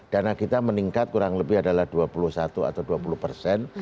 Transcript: dana kita meningkat kurang lebih adalah dua puluh satu atau dua puluh persen